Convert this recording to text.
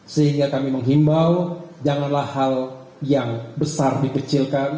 sehingga kami menghimbau janganlah hal yang besar dikecilkan